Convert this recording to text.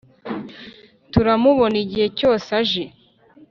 Turamubona igihe cyose aje